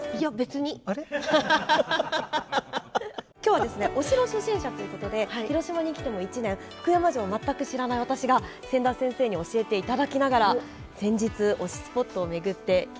今日はですねお城初心者ということで広島に来てもう１年福山城を全く知らない私が千田先生に教えていただきながら先日推しスポットを巡ってきたんですよね。